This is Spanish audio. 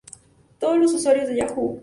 Todos los usuarios de Yahoo!